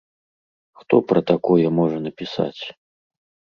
Хто пра такое можа напісаць?